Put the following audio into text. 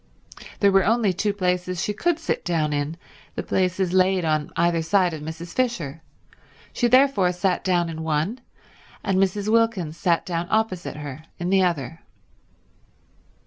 There were only two places she could sit down in, the places laid on either side of Mrs. Fisher. She therefore sat down in one, and Mrs. Wilkins sat down opposite her in the other.